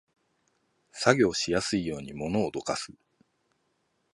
作業しやすいように物をどかす